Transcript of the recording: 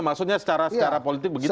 maksudnya secara politik begitu